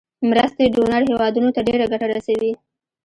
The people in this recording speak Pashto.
مرستې ډونر هیوادونو ته ډیره ګټه رسوي.